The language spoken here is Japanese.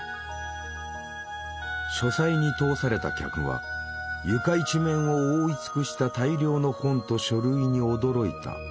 書斎に通された客は床一面を覆い尽くした大量の本と書類に驚いた。